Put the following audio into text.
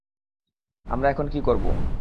আমরা এখন কী করবো?